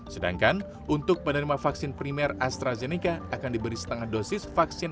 sedangkan untuk penerima vaksin primer astrazeneca akan diberi setengah dosis vaksin